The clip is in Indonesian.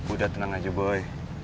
udah tenang aja boy